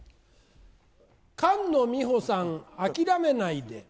菅野美穂さん、諦めないで。